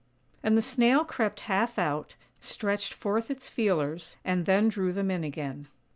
And the Snail crept half out, stretched forth its feelers, and then drew them in again.